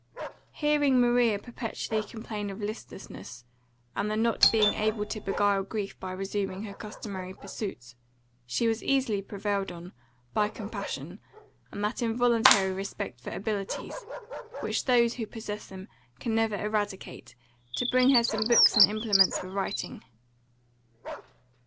Hearing Maria perpetually complain of listlessness, and the not being able to beguile grief by resuming her customary pursuits, she was easily prevailed on, by compassion, and that involuntary respect for abilities, which those who possess them can never eradicate, to bring her some books and implements for writing.